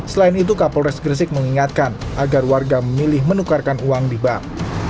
selain itu kapolres gresik mengingatkan agar warga memilih menukarkan uang di bank